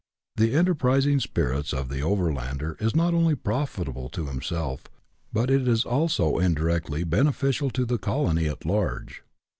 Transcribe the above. The enterprising spirit of the overlander is not only profitable to himself, but it is also indirectly beneficial to the colony at large.